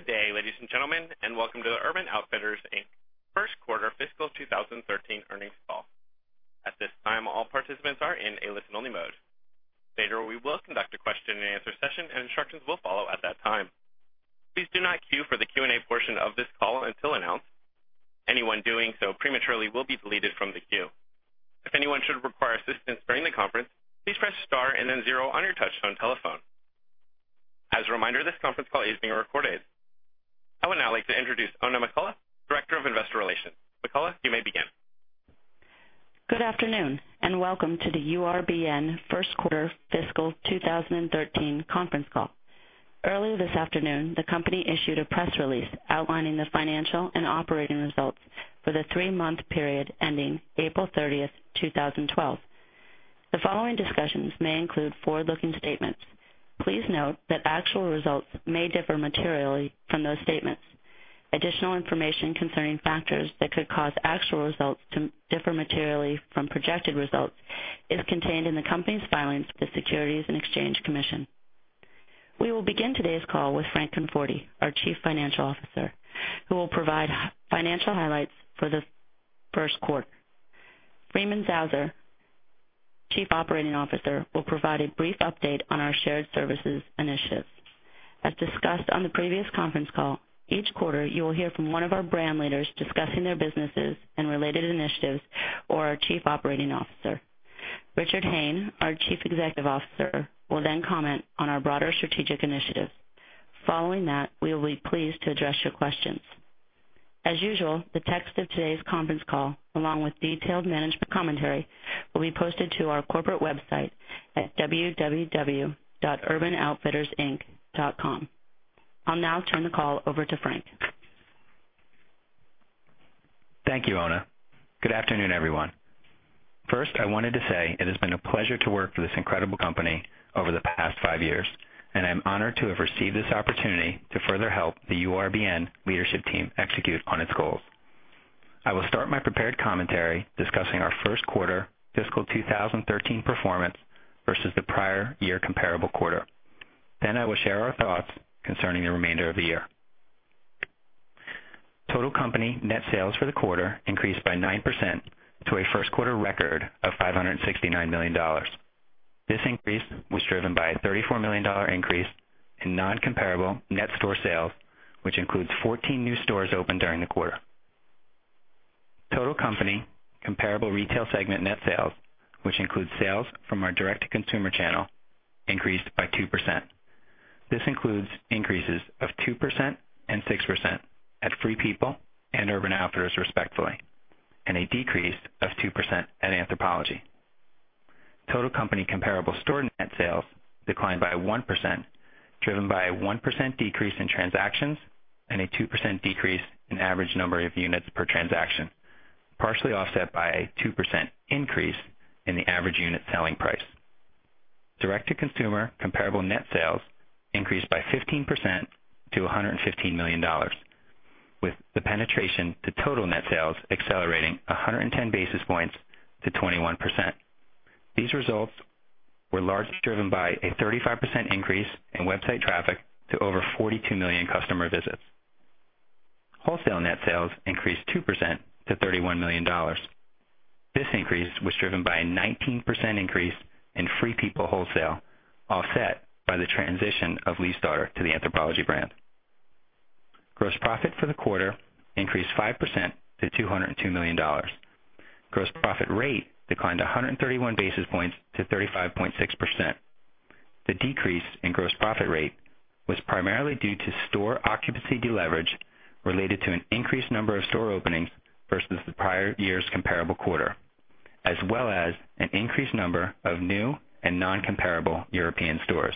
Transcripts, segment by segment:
Good day, ladies and gentlemen, and welcome to the Urban Outfitters, Inc. First Quarter Fiscal 2013 Earnings Call. At this time, all participants are in a listen-only mode. Later, we will conduct a question and answer session, and instructions will follow at that time. Please do not queue for the Q&A portion of this call until announced. Anyone doing so prematurely will be deleted from the queue. If anyone should require assistance during the conference, please press star and then zero on your touch-tone telephone. As a reminder, this conference call is being recorded. I would now like to introduce Oona McCullough, Director of Investor Relations. McCullough, you may begin. Good afternoon, and welcome to the URBN First Quarter Fiscal 2013 conference call. Earlier this afternoon, the company issued a press release outlining the financial and operating results for the three-month period ending April 30th, 2012. The following discussions may include forward-looking statements. Please note that actual results may differ materially from those statements. Additional information concerning factors that could cause actual results to differ materially from projected results is contained in the company's filings with the Securities and Exchange Commission. We will begin today's call with Frank Conforti, our Chief Financial Officer, who will provide financial highlights for the first quarter. Freeman Zausner, Chief Operating Officer, will provide a brief update on our shared services initiatives. As discussed on the previous conference call, each quarter, you will hear from one of our brand leaders discussing their businesses and related initiatives or our Chief Operating Officer. Richard Hayne, our Chief Executive Officer, will then comment on our broader strategic initiatives. Following that, we will be pleased to address your questions. As usual, the text of today's conference call, along with detailed management commentary, will be posted to our corporate website at www.urbanoutfittersinc.com. I'll now turn the call over to Frank. Thank you, Oona. Good afternoon, everyone. First, I wanted to say it has been a pleasure to work for this incredible company over the past five years, and I'm honored to have received this opportunity to further help the URBN leadership team execute on its goals. I will start my prepared commentary discussing our First Quarter Fiscal 2013 performance versus the prior year comparable quarter. Then I will share our thoughts concerning the remainder of the year. Total company net sales for the quarter increased by 9% to a first quarter record of $569 million. This increase was driven by a $34 million increase in non-comparable net store sales, which includes 14 new stores opened during the quarter. Total company comparable retail segment net sales, which includes sales from our direct-to-consumer channel, increased by 2%. This includes increases of 2% and 6% at Free People and Urban Outfitters respectively, and a decrease of 2% at Anthropologie. Total company comparable store net sales declined by 1%, driven by a 1% decrease in transactions and a 2% decrease in average number of units per transaction, partially offset by a 2% increase in the average unit selling price. Direct-to-consumer comparable net sales increased by 15% to $115 million, with the penetration to total net sales accelerating 110 basis points to 21%. These results were largely driven by a 35% increase in website traffic to over 42 million customer visits. Wholesale net sales increased 2% to $31 million. This increase was driven by a 19% increase in Free People wholesale, offset by the transition of Leifsdottir to the Anthropologie brand. Gross profit for the quarter increased 5% to $202 million. Gross profit rate declined 131 basis points to 35.6%. The decrease in gross profit rate was primarily due to store occupancy deleverage related to an increased number of store openings versus the prior year's comparable quarter, as well as an increased number of new and non-comparable European stores.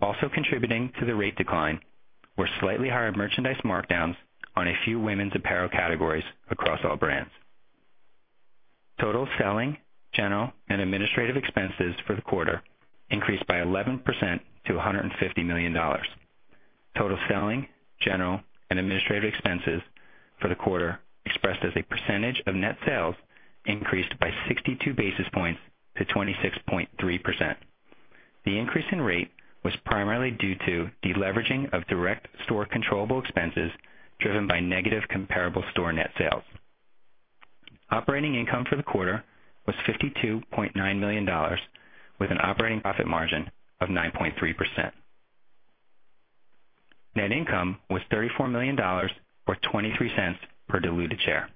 Also contributing to the rate decline were slightly higher merchandise markdowns on a few women's apparel categories across all brands. Total selling, general and administrative expenses for the quarter increased by 11% to $150 million. Total selling, general and administrative expenses for the quarter, expressed as a percentage of net sales, increased by 62 basis points to 26.3%. The increase in rate was primarily due to deleveraging of direct store controllable expenses driven by negative comparable store net sales. Operating income for the quarter was $52.9 million with an operating profit margin of 9.3%. Net income was $34 million, or $0.23 per diluted share.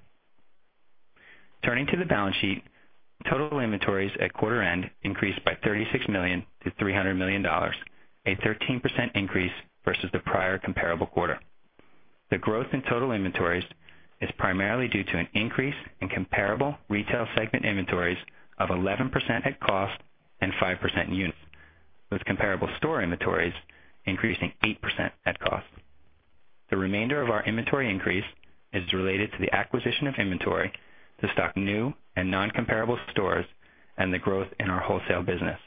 Turning to the balance sheet, total inventories at quarter end increased by $36 million to $300 million, a 13% increase versus the prior comparable quarter. The growth in total inventories is primarily due to an increase in comparable retail segment inventories of 11% at cost and 5% in units, with comparable store inventories increasing 8% at cost. The remainder of our inventory increase is related to the acquisition of inventory to stock new and non-comparable stores and the growth in our wholesale business.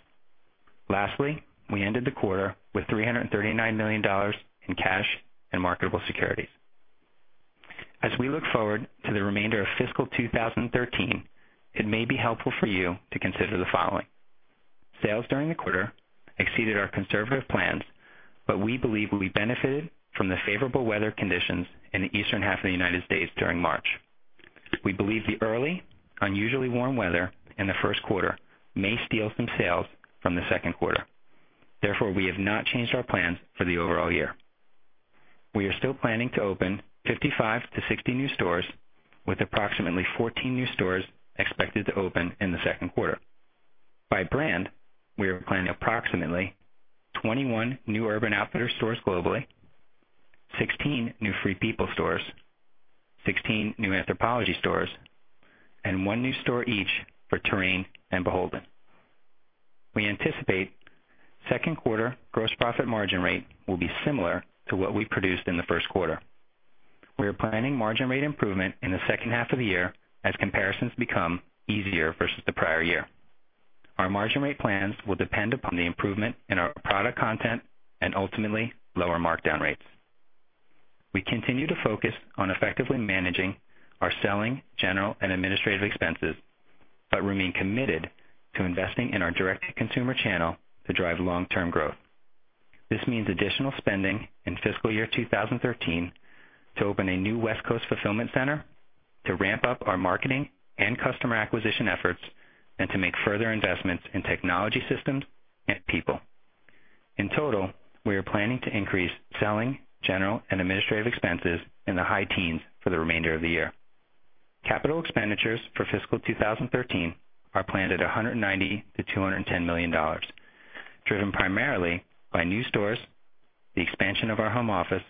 Lastly, we ended the quarter with $339 million in cash and marketable securities. As we look forward to the remainder of fiscal 2013, it may be helpful for you to consider the following. Sales during the quarter exceeded our conservative plans. We believe we benefited from the favorable weather conditions in the eastern half of the U.S. during March. We believe the early, unusually warm weather in the first quarter may steal some sales from the second quarter. Therefore, we have not changed our plans for the overall year. We are still planning to open 55 to 60 new stores, with approximately 14 new stores expected to open in the second quarter. By brand, we are planning approximately 21 new Urban Outfitters stores globally, 16 new Free People stores, 16 new Anthropologie stores, and one new store each for Terrain and BHLDN. We anticipate second quarter gross profit margin rate will be similar to what we produced in the first quarter. We are planning margin rate improvement in the second half of the year as comparisons become easier versus the prior year. Our margin rate plans will depend upon the improvement in our product content and ultimately lower markdown rates. We continue to focus on effectively managing our selling, general, and administrative expenses, but remain committed to investing in our direct-to-consumer channel to drive long-term growth. This means additional spending in fiscal year 2013 to open a new West Coast fulfillment center, to ramp up our marketing and customer acquisition efforts, and to make further investments in technology systems and people. In total, we are planning to increase selling, general, and administrative expenses in the high teens for the remainder of the year. Capital expenditures for fiscal 2013 are planned at $190 million-$210 million, driven primarily by new stores, the expansion of our home office,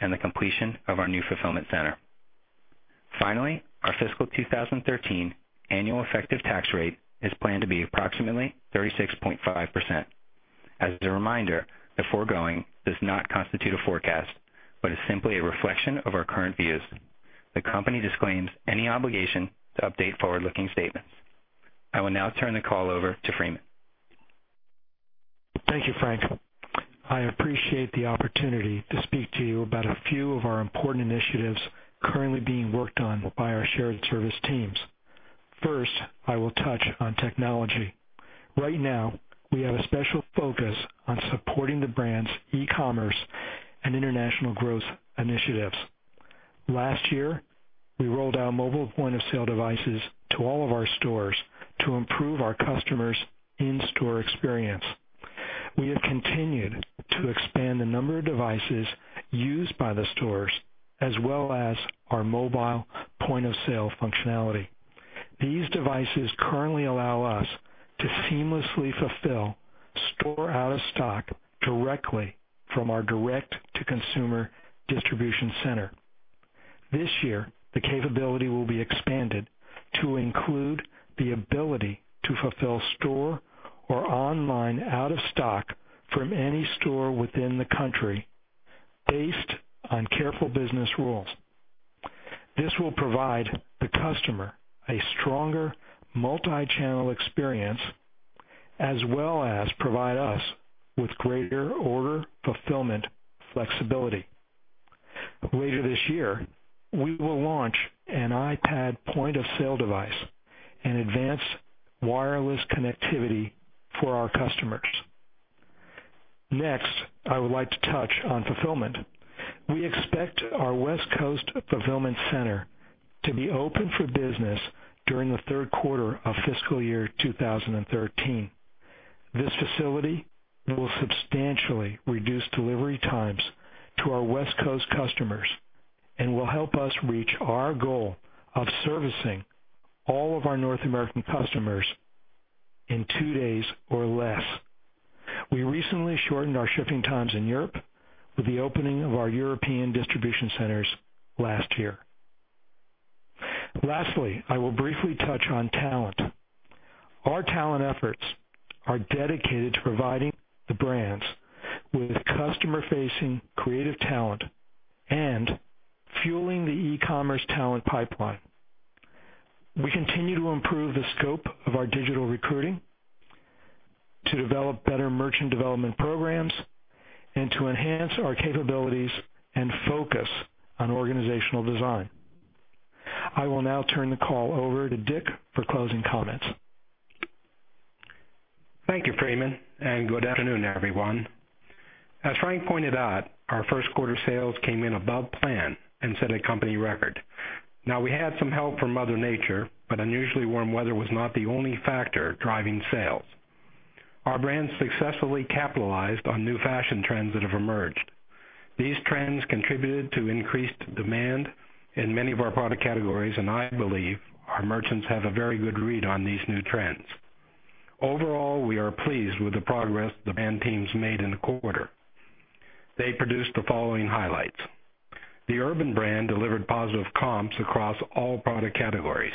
and the completion of our new fulfillment center. Finally, our fiscal 2013 annual effective tax rate is planned to be approximately 36.5%. As a reminder, the foregoing does not constitute a forecast, but is simply a reflection of our current views. The company disclaims any obligation to update forward-looking statements. I will now turn the call over to Freeman. Thank you, Frank. I appreciate the opportunity to speak to you about a few of our important initiatives currently being worked on by our shared service teams. First, I will touch on technology. Right now, we have a special focus on supporting the brand's e-commerce and international growth initiatives. Last year, we rolled out mobile point-of-sale devices to all of our stores to improve our customers' in-store experience. We have continued to expand the number of devices used by the stores, as well as our mobile point-of-sale functionality. These devices currently allow us to seamlessly fulfill store out of stock directly from our direct-to-consumer distribution center. This year, the capability will be expanded to include the ability to fulfill store or online out of stock from any store within the country based on careful business rules. This will provide the customer a stronger multi-channel experience, as well as provide us with greater order fulfillment flexibility. Later this year, we will launch an iPad point-of-sale device and advance wireless connectivity for our customers. Next, I would like to touch on fulfillment. We expect our West Coast fulfillment center to be open for business during the third quarter of fiscal year 2013. This facility will substantially reduce delivery times to our West Coast customers and will help us reach our goal of servicing all of our North American customers in two days or less. We recently shortened our shipping times in Europe with the opening of our European distribution centers last year. Lastly, I will briefly touch on talent. Our talent efforts are dedicated to providing the brands with customer-facing creative talent and fueling the e-commerce talent pipeline. We continue to improve the scope of our digital recruiting, to develop better merchant development programs, and to enhance our capabilities and focus on organizational design. I will now turn the call over to Dick for closing comments. Thank you, Freeman, and good afternoon, everyone. As Frank pointed out, our first quarter sales came in above plan and set a company record. We had some help from Mother Nature, but unusually warm weather was not the only factor driving sales. Our brands successfully capitalized on new fashion trends that have emerged. These trends contributed to increased demand in many of our product categories, and I believe our merchants have a very good read on these new trends. Overall, we are pleased with the progress the brand teams made in the quarter. They produced the following highlights. The Urban brand delivered positive comps across all product categories.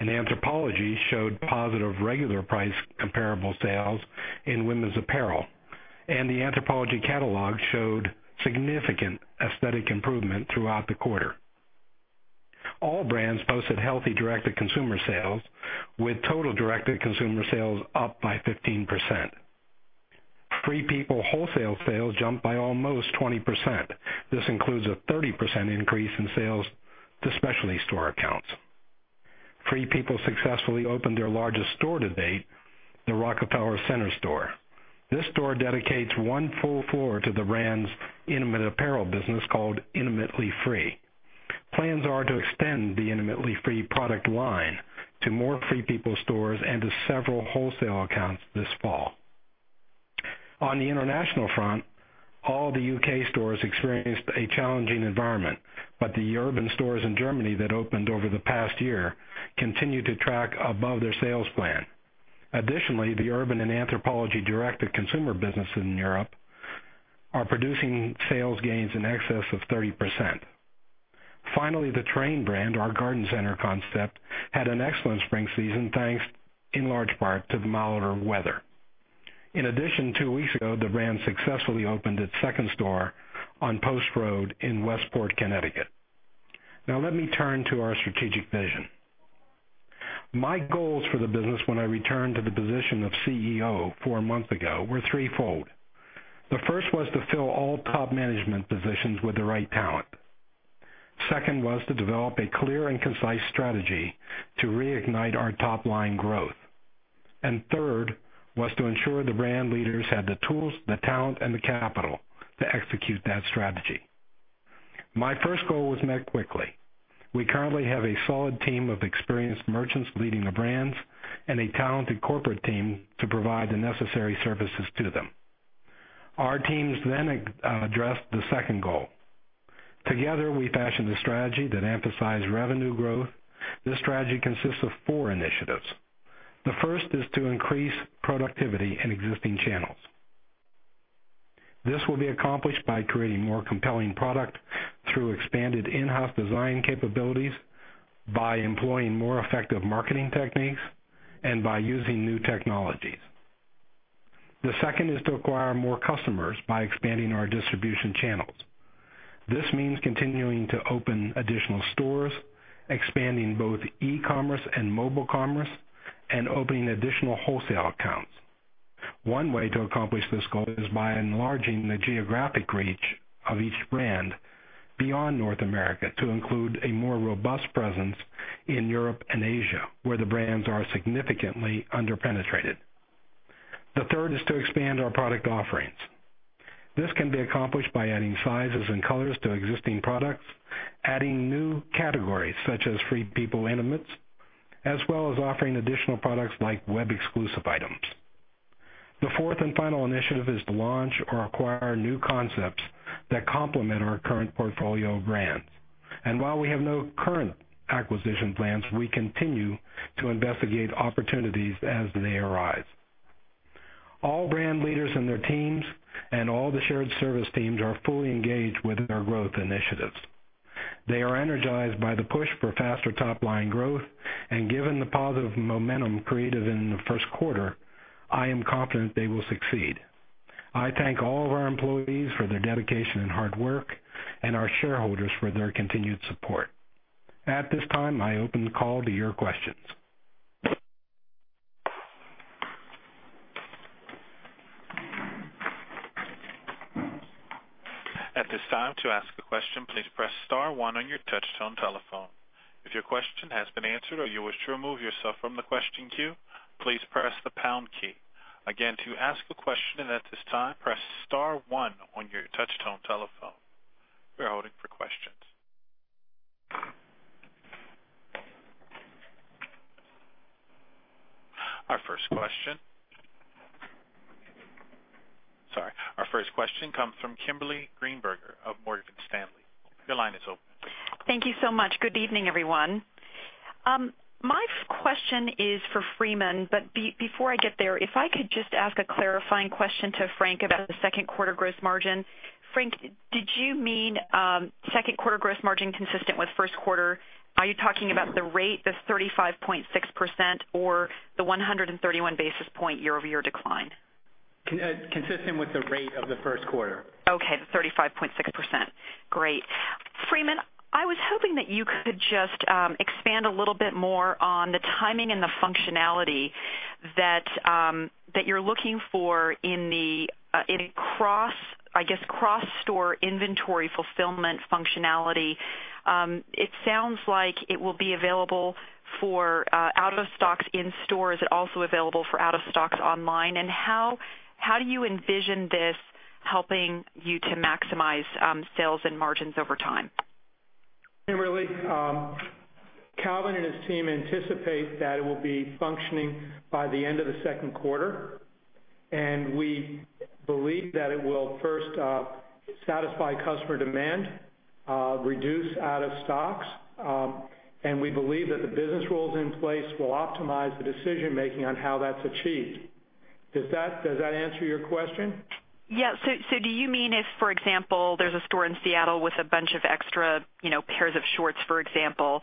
Anthropologie showed positive regular price comparable sales in women's apparel. The Anthropologie catalog showed significant aesthetic improvement throughout the quarter. All brands posted healthy direct-to-consumer sales, with total direct-to-consumer sales up by 15%. Free People wholesale sales jumped by almost 20%. This includes a 30% increase in sales to specialty store accounts. Free People successfully opened their largest store to date, the Rockefeller Center store. This store dedicates one full floor to the brand's intimate apparel business called Intimately Free. Plans are to extend the Intimately Free product line to more Free People stores and to several wholesale accounts this fall. On the international front, all the U.K. stores experienced a challenging environment, but the Urban stores in Germany that opened over the past year continue to track above their sales plan. Additionally, the Urban and Anthropologie direct-to-consumer businesses in Europe are producing sales gains in excess of 30%. Finally, the Terrain brand, our garden center concept, had an excellent spring season, thanks in large part to the milder weather. In addition, two weeks ago, the brand successfully opened its second store on Post Road in Westport, Connecticut. Now let me turn to our strategic vision. My goals for the business when I returned to the position of CEO four months ago were threefold. The first was to fill all top management positions with the right talent. Second was to develop a clear and concise strategy to reignite our top-line growth. Third was to ensure the brand leaders had the tools, the talent, and the capital to execute that strategy. My first goal was met quickly. We currently have a solid team of experienced merchants leading the brands and a talented corporate team to provide the necessary services to them. Our teams addressed the second goal. Together, we fashioned a strategy that emphasized revenue growth. This strategy consists of four initiatives. The first is to increase productivity in existing channels. This will be accomplished by creating more compelling product through expanded in-house design capabilities, by employing more effective marketing techniques, and by using new technologies. The second is to acquire more customers by expanding our distribution channels. This means continuing to open additional stores, expanding both e-commerce and mobile commerce, and opening additional wholesale accounts. One way to accomplish this goal is by enlarging the geographic reach of each brand beyond North America to include a more robust presence in Europe and Asia, where the brands are significantly under-penetrated. The third is to expand our product offerings. This can be accomplished by adding sizes and colors to existing products, adding new categories such as Intimately Free People, as well as offering additional products like web-exclusive items. The fourth and final initiative is to launch or acquire new concepts that complement our current portfolio of brands. While we have no current acquisition plans, we continue to investigate opportunities as they arise. All brand leaders and their teams and all the shared service teams are fully engaged with our growth initiatives. They are energized by the push for faster top-line growth, and given the positive momentum created in the first quarter, I am confident they will succeed. I thank all of our employees for their dedication and hard work and our shareholders for their continued support. At this time, I open the call to your questions. At this time, to ask a question, please press *1 on your touch-tone telephone. If your question has been answered or you wish to remove yourself from the question queue, please press the # key. Again, to ask a question at this time, press *1 on your touch-tone telephone. We are holding for questions. Our first question comes from Kimberly Greenberger of Morgan Stanley. Your line is open. Thank you so much. Good evening, everyone. My question is for Freeman, but before I get there, if I could just ask a clarifying question to Frank about the second quarter gross margin. Frank, did you mean second quarter gross margin consistent with first quarter? Are you talking about the rate, the 35.6%, or the 131 basis point year-over-year decline? Consistent with the rate of the first quarter. Okay. The 35.6%. Great. Freeman, I was hoping that you could just expand a little bit more on the timing and the functionality that you're looking for in, I guess, cross-store inventory fulfillment functionality. It sounds like it will be available for out-of-stocks in stores. Is it also available for out-of-stocks online? How do you envision this helping you to maximize sales and margins over time? Kimberly, Calvin and his team anticipate that it will be functioning by the end of the second quarter. We believe that it will first satisfy customer demand, reduce out-of-stocks, and we believe that the business rules in place will optimize the decision-making on how that's achieved. Does that answer your question? Yeah. Do you mean if, for example, there's a store in Seattle with a bunch of extra pairs of shorts, for example,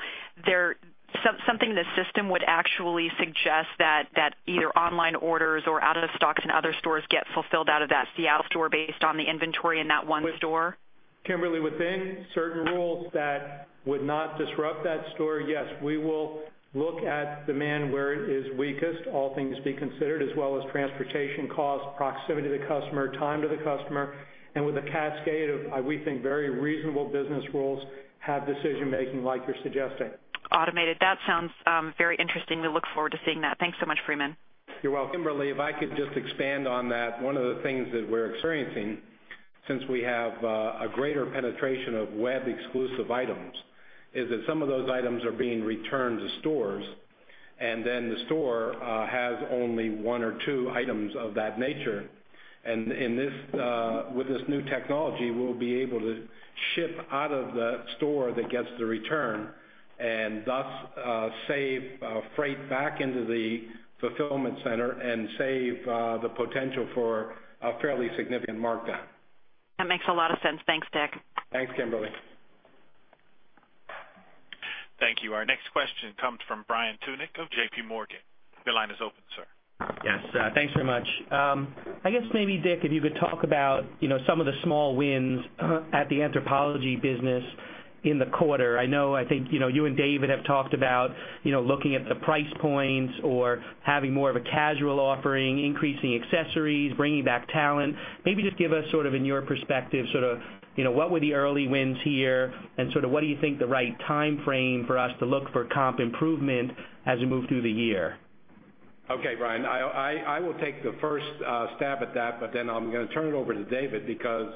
something in the system would actually suggest that either online orders or out-of-stocks in other stores get fulfilled out of that Seattle store based on the inventory in that one store? Kimberly, within certain rules that would not disrupt that store, yes, we will look at demand where it is weakest, all things being considered, as well as transportation cost, proximity to the customer, time to the customer, and with a cascade of, we think, very reasonable business rules have decision-making like you're suggesting. Automated. That sounds very interesting. We look forward to seeing that. Thanks so much, Freeman. You're welcome. Kimberly, if I could just expand on that. One of the things that we're experiencing, since we have a greater penetration of web-exclusive items, is that some of those items are being returned to stores, and then the store has only one or two items of that nature. With this new technology, we'll be able to ship out of the store that gets the return and thus save freight back into the fulfillment center and save the potential for a fairly significant markdown. That makes a lot of sense. Thanks, Dick. Thanks, Kimberly. Thank you. Our next question comes from Brian Tunick of JPMorgan. Your line is open, sir. Yes. Thanks very much. I guess maybe, Dick, if you could talk about some of the small wins at the Anthropologie business in the quarter. I know, I think, you and David have talked about looking at the price points or having more of a casual offering, increasing accessories, bringing back talent. Maybe just give us, in your perspective, what were the early wins here, and what do you think the right timeframe for us to look for comp improvement as we move through the year? Okay, Brian, I will take the first stab at that, but then I'm going to turn it over to David because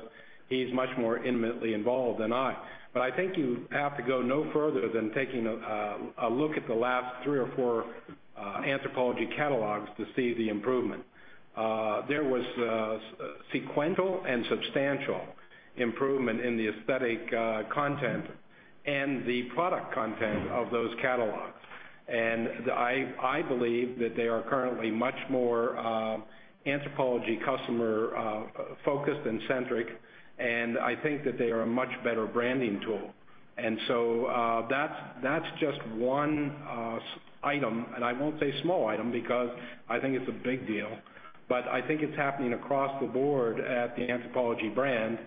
he's much more intimately involved than I. I think you have to go no further than taking a look at the last three or four Anthropologie catalogs to see the improvement. There was a sequential and substantial improvement in the aesthetic content and the product content of those catalogs. I believe that they are currently much more Anthropologie customer-focused and centric, and I think that they are a much better branding tool. So that's just one item, and I won't say small item because I think it's a big deal, but I think it's happening across the board at the Anthropologie brand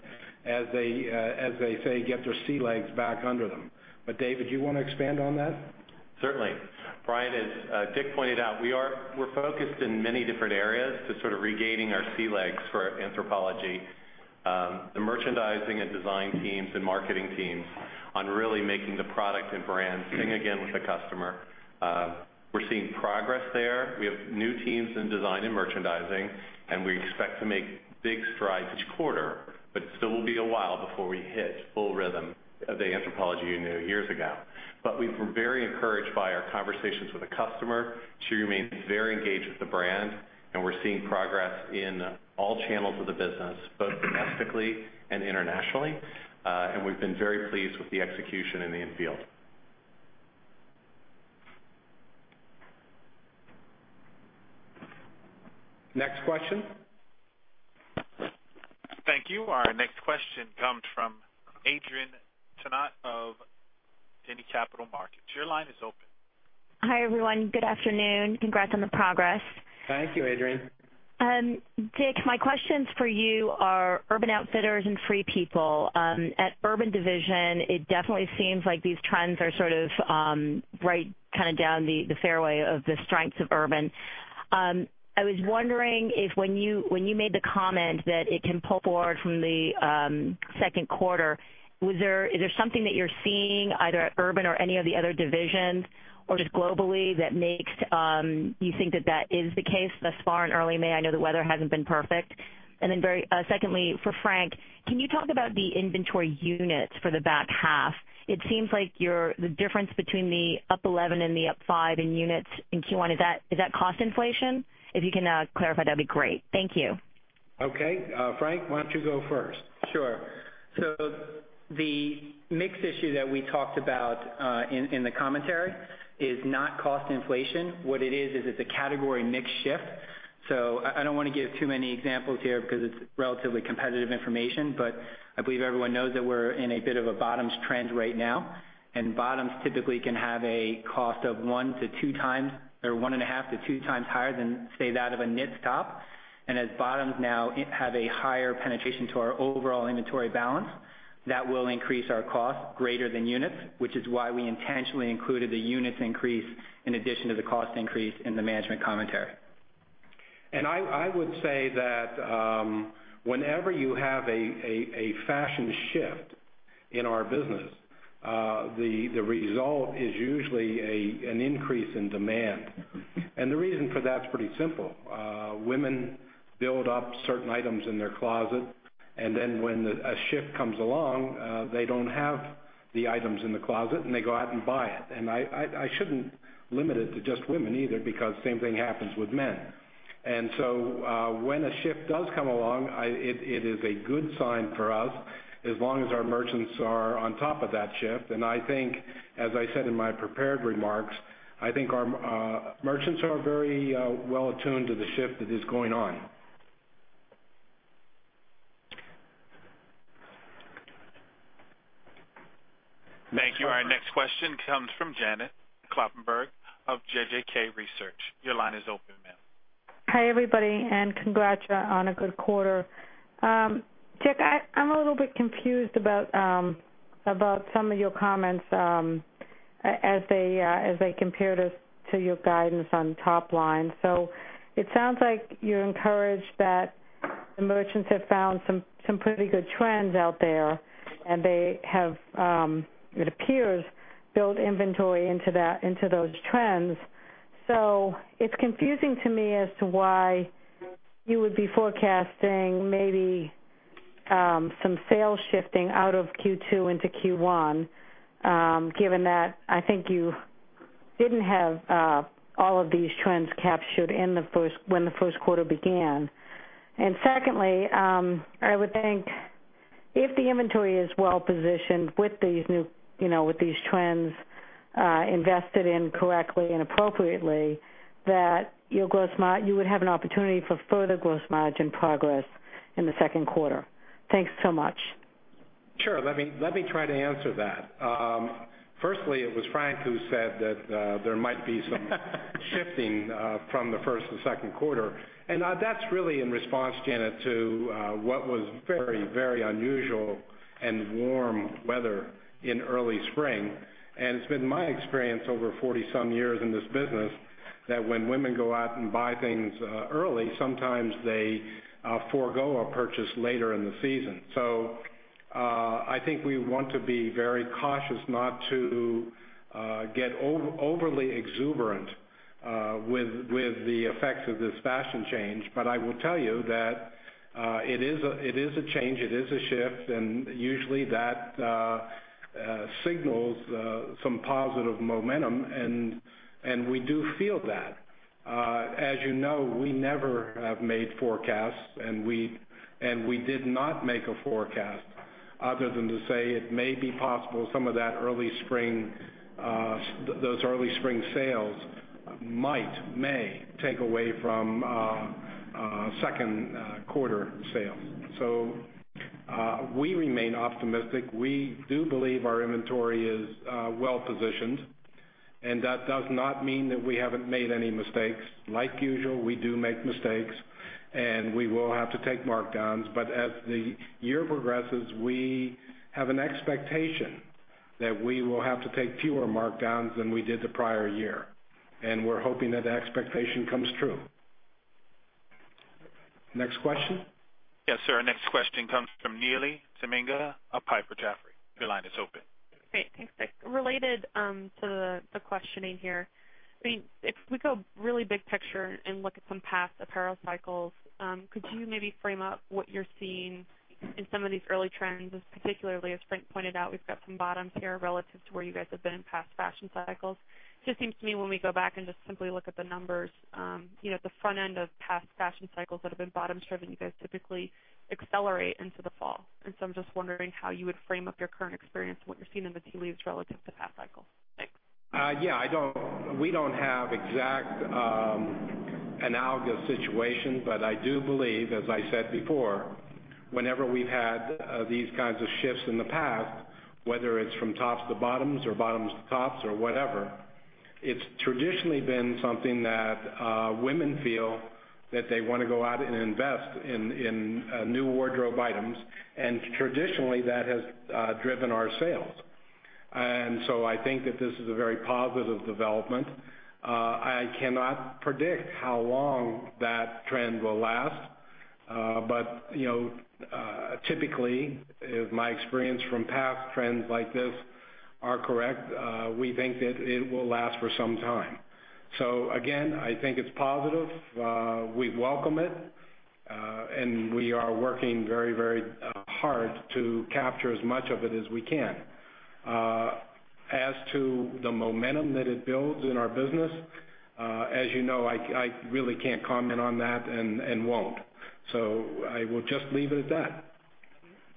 as they say, get their sea legs back under them. David, you want to expand on that? Certainly. Brian, as Dick pointed out, we're focused in many different areas to sort of regaining our sea legs for Anthropologie. The merchandising and design teams and marketing teams on really making the product and brand sing again with the customer. We're seeing progress there. We have new teams in design and merchandising, and we expect to make big strides each quarter, but still will be a while before we hit full rhythm of the Anthropologie you knew years ago. We've been very encouraged by our conversations with the customer. She remains very engaged with the brand, and we're seeing progress in all channels of the business, both domestically and internationally. We've been very pleased with the execution in the infield. Next question. Thank you. Our next question comes from Adrienne Yih-Tennant of Janney Capital Markets. Your line is open. Hi, everyone. Good afternoon. Congrats on the progress. Thank you, Adrienne. Dick, my questions for you are Urban Outfitters and Free People. At Urban division, it definitely seems like these trends are sort of right down the fairway of the strengths of Urban. I was wondering if when you made the comment that it can pull forward from the second quarter, is there something that you're seeing either at Urban or any of the other divisions or just globally that makes you think that that is the case thus far in early May? I know the weather hasn't been perfect. Secondly, for Frank, can you talk about the inventory units for the back half? It seems like the difference between the up 11 and the up five in units in Q1, is that cost inflation? If you can clarify, that'd be great. Thank you. Okay. Frank, why don't you go first? Sure. The mix issue that we talked about in the commentary is not cost inflation. What it is it's a category mix shift. I don't want to give too many examples here because it's relatively competitive information, but I believe everyone knows that we're in a bit of a bottoms trend right now, and bottoms typically can have a cost of one to two times or one and a half to two times higher than, say, that of a knit top. As bottoms now have a higher penetration to our overall inventory balance, that will increase our cost greater than units, which is why we intentionally included the units increase in addition to the cost increase in the management commentary. I would say that whenever you have a fashion shift in our business, the result is usually an increase in demand. The reason for that is pretty simple. Women build up certain items in their closet, and then when a shift comes along, they don't have the items in the closet, and they go out and buy it. I shouldn't limit it to just women either, because same thing happens with men. When a shift does come along, it is a good sign for us as long as our merchants are on top of that shift. I think, as I said in my prepared remarks, I think our merchants are very well attuned to the shift that is going on. Thank you. Our next question comes from Janet Kloppenburg of JJK Research. Your line is open, ma'am. Hi, everybody, and congrats on a good quarter. Dick, I'm a little bit confused about some of your comments as they compare to your guidance on top line. It sounds like you're encouraged that the merchants have found some pretty good trends out there, and they have, it appears, built inventory into those trends. It's confusing to me as to why you would be forecasting maybe some sales shifting out of Q2 into Q1, given that I think you didn't have all of these trends captured when the first quarter began. Secondly, I would think if the inventory is well-positioned with these trends invested in correctly and appropriately, that you would have an opportunity for further gross margin progress in the second quarter. Thanks so much. Sure. Let me try to answer that. Firstly, it was Frank who said that there might be some shifting from the first to second quarter. That's really in response, Janet, to what was very, very unusual and warm weather in early spring. It's been my experience over 40 some years in this business that when women go out and buy things early, sometimes they forego a purchase later in the season. I think we want to be very cautious not to get overly exuberant with the effects of this fashion change. I will tell you that it is a change, it is a shift, and usually that signals some positive momentum, and we do feel that. As you know, we never have made forecasts. We did not make a forecast other than to say it may be possible some of those early spring sales might, may take away from second quarter sales. We remain optimistic. We do believe our inventory is well-positioned. That does not mean that we haven't made any mistakes. Like usual, we do make mistakes. We will have to take markdowns. As the year progresses, we have an expectation that we will have to take fewer markdowns than we did the prior year. We're hoping that expectation comes true. Next question. Yes, sir. Our next question comes from Neely Tamminga of Piper Jaffray. Your line is open. Great. Thanks, Dick. Related to the questioning here, if we go really big picture and look at some past apparel cycles, could you maybe frame up what you're seeing in some of these early trends, particularly as Frank pointed out, we've got some bottoms here relative to where you guys have been in past fashion cycles. Just seems to me when we go back and just simply look at the numbers, the front end of past fashion cycles that have been bottom-driven, you guys typically accelerate into the fall. I'm just wondering how you would frame up your current experience and what you're seeing in the tea leaves relative to past cycles. Thanks. Yeah. We don't have exact analogous situation. I do believe, as I said before, whenever we've had these kinds of shifts in the past, whether it's from tops to bottoms or bottoms to tops or whatever, it's traditionally been something that women feel that they want to go out and invest in new wardrobe items. Traditionally, that has driven our sales. I think that this is a very positive development. I cannot predict how long that trend will last. Typically, if my experience from past trends like this are correct, we think that it will last for some time. Again, I think it's positive. We welcome it. We are working very, very hard to capture as much of it as we can. As to the momentum that it builds in our business, as you know, I really can't comment on that and won't. I will just leave it at that.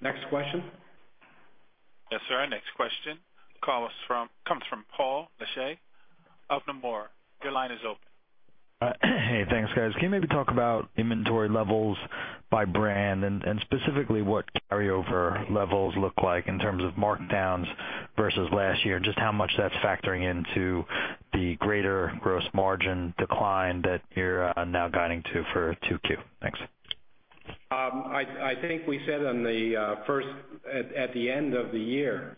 Next question. Yes, sir. Next question. Call comes from Paul Lejuez of Nomura. Your line is open. Hey, thanks, guys. Can you maybe talk about inventory levels by brand and specifically what carryover levels look like in terms of markdowns versus last year, just how much that's factoring into the greater gross margin decline that you're now guiding to for 2Q? Thanks. I think we said at the end of the year,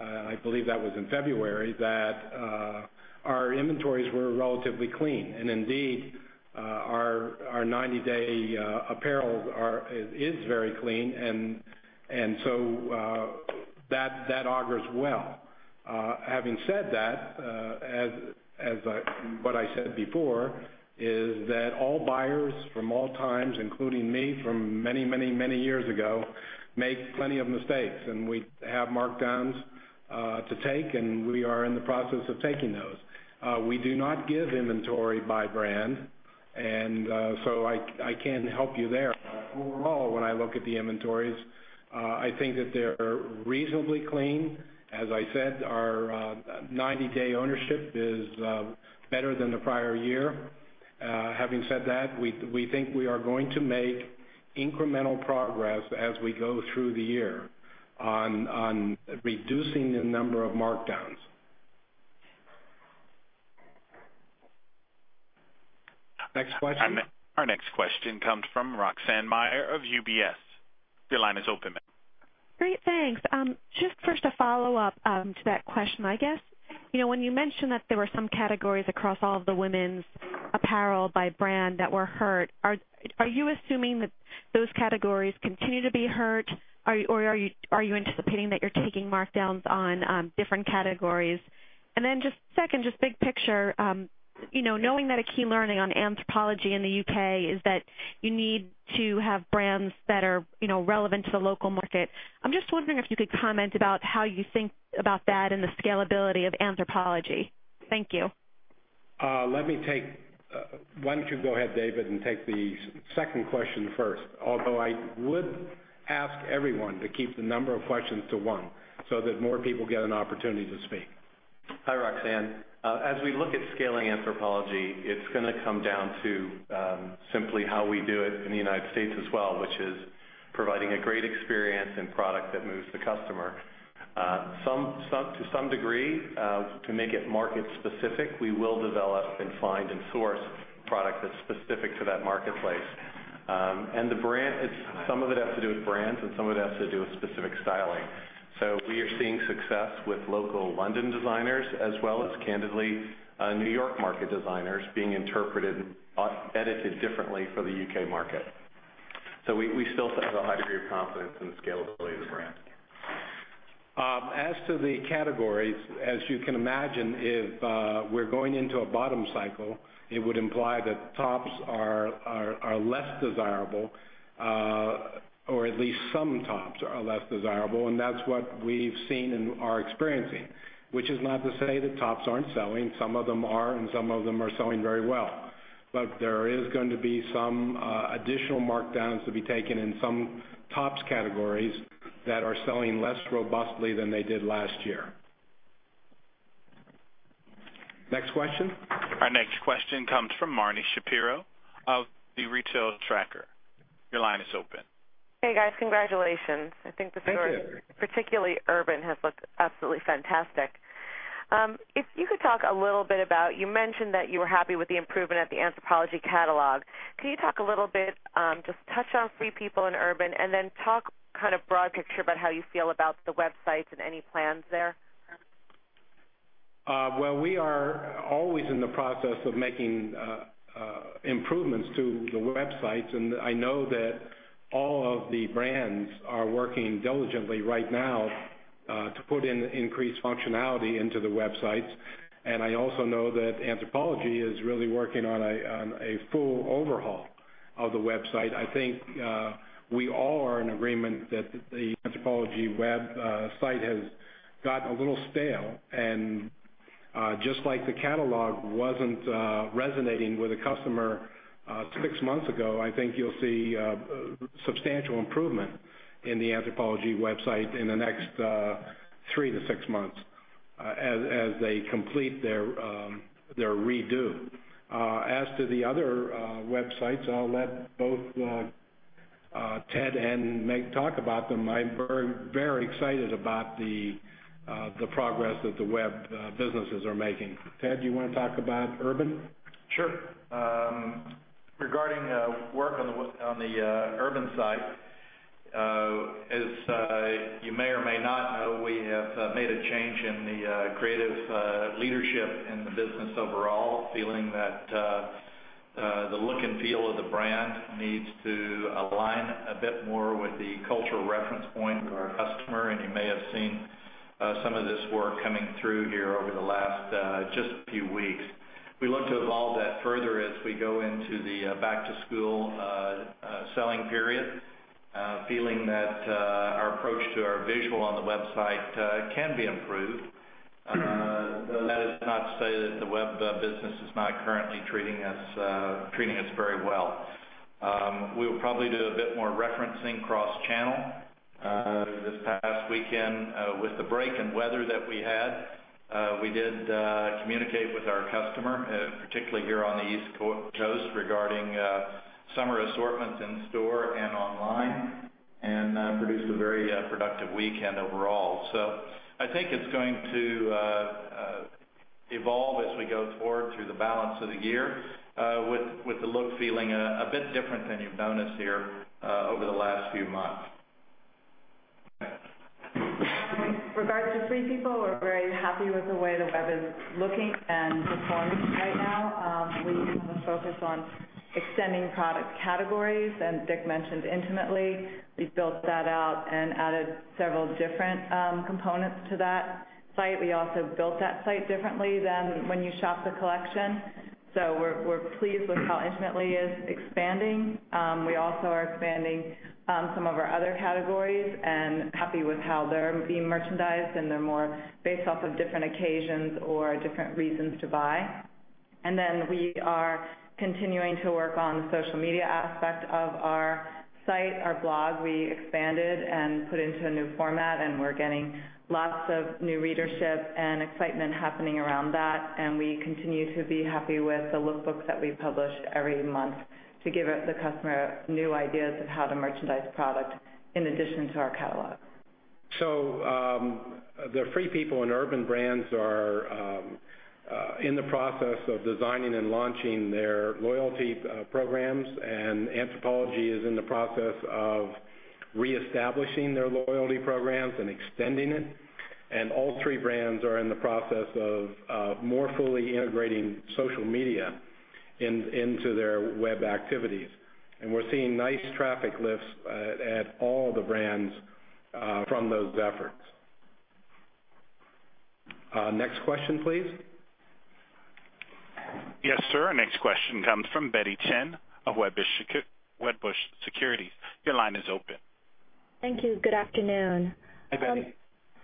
I believe that was in February, that our inventories were relatively clean. Indeed, our 90-day apparel is very clean, and so that augurs well. Having said that, what I said before is that all buyers from all times, including me from many, many, many years ago, make plenty of mistakes. We have markdowns to take, and we are in the process of taking those. We do not give inventory by brand, and so I can't help you there. Overall, when I look at the inventories, I think that they're reasonably clean, as I said. 90-day ownership is better than the prior year. Having said that, we think we are going to make incremental progress as we go through the year on reducing the number of markdowns. Next question. Our next question comes from Roxanne Meyer of UBS. Your line is open, ma'am. Great. Thanks. Just first a follow-up to that question. I guess, when you mentioned that there were some categories across all of the women's apparel by brand that were hurt, are you assuming that those categories continue to be hurt? Or are you anticipating that you're taking markdowns on different categories? Just second, just big picture, knowing that a key learning on Anthropologie in the U.K. is that you need to have brands that are relevant to the local market. I'm just wondering if you could comment about how you think about that and the scalability of Anthropologie. Thank you. Why don't you go ahead, David, and take the second question first, although I would ask everyone to keep the number of questions to one so that more people get an opportunity to speak. Hi, Roxanne. As we look at scaling Anthropologie, it's going to come down to simply how we do it in the United States as well, which is providing a great experience and product that moves the customer. To some degree, to make it market specific, we will develop and find and source product that's specific to that marketplace. Some of it has to do with brands, and some of it has to do with specific styling. We are seeing success with local London designers as well as, candidly, New York market designers being interpreted, edited differently for the U.K. market. We still have a high degree of confidence in the scalability of the brand. As to the categories, as you can imagine, if we're going into a bottom cycle, it would imply that tops are less desirable or at least some tops are less desirable, and that's what we've seen and are experiencing, which is not to say that tops aren't selling. Some of them are, and some of them are selling very well. There is going to be some additional markdowns to be taken in some tops categories that are selling less robustly than they did last year. Next question. Our next question comes from Marni Shapiro of The Retail Tracker. Your line is open. Hey, guys. Congratulations. Thank you. I think the story, particularly Urban, has looked absolutely fantastic. If you could talk a little bit. You mentioned that you were happy with the improvement at the Anthropologie catalog. Can you talk a little bit, just touch on Free People and Urban, and then talk kind of broad picture about how you feel about the websites and any plans there? Well, we are always in the process of making improvements to the websites. I know that all of the brands are working diligently right now to put in increased functionality into the websites. I also know that Anthropologie is really working on a full overhaul of the website. I think we all are in agreement that the Anthropologie website has gotten a little stale, and just like the catalog wasn't resonating with the customer six months ago, I think you'll see substantial improvement in the Anthropologie website in the next three to six months as they complete their redo. As to the other websites, I'll let both Ted and Meg talk about them. I'm very excited about the progress that the web businesses are making. Ted, do you want to talk about Urban? Sure. Regarding work on the Urban site, as you may or may not know, we have made a change in the creative leadership in the business overall, feeling that the look and feel of the brand needs to align a bit more with the cultural reference point of our customer. You may have seen some of this work coming through here over the last just few weeks. We look to evolve that further as we go into the back-to-school selling period, feeling that our approach to our visual on the website can be improved. Though that is not to say that the web business is not currently treating us very well. We will probably do a bit more referencing cross-channel. This past weekend, with the break in weather that we had, we did communicate with our customer, particularly here on the East Coast, regarding summer assortments in store and online. Produced a very productive weekend overall. I think it's going to evolve as we go forward through the balance of the year with the look feeling a bit different than you've known us here over the last few months. In regards to Free People, we're very happy with the way the web is looking and performing right now. We want to focus on extending product categories, as Dick mentioned, Intimately. We've built that out and added several different components to that site. We also built that site differently than when you shop the collection. We're pleased with how Intimately is expanding. We also are expanding some of our other categories and happy with how they're being merchandised, and they're more based off of different occasions or different reasons to buy. We are continuing to work on the social media aspect of our site. Our blog, we expanded and put into a new format, and we're getting lots of new readership and excitement happening around that. We continue to be happy with the lookbooks that we publish every month to give the customer new ideas of how to merchandise product in addition to our catalog. The Free People and Urban Brands are in the process of designing and launching their loyalty programs, and Anthropologie is in the process of reestablishing their loyalty programs and extending it. All three brands are in the process of more fully integrating social media into their web activities. We're seeing nice traffic lifts at all the brands from those efforts. Next question, please. Yes, sir. Next question comes from Betty Chen of Wedbush Securities. Your line is open. Thank you. Good afternoon. Hi, Betty.